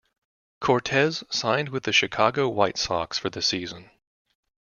Cortez signed with the Chicago White Sox for the season.